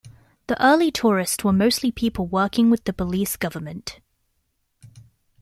The early tourists were mostly people working with the Belize Government.